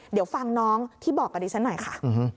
เดี๋ยวฟังน้องที่บอกกับดิฉันหน่อยค่ะ